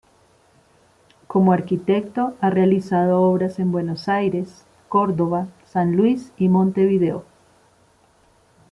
Como arquitecto ha realizado obras en Buenos Aires, Córdoba, San Luis y Montevideo.